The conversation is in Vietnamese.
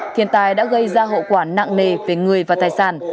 thiên tai đã gây ra hậu quả nặng nề về người và tài sản